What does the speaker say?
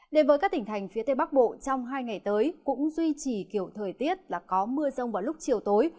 đến với các tỉnh thành phía tây bắc bộ trong hai ngày tới cũng duy trì kiểu thời tiết là có mưa rông vào lúc chiều tối